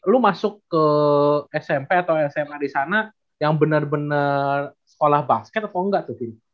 lo masuk ke smp atau sma di sana yang bener bener sekolah basket atau nggak tuh vin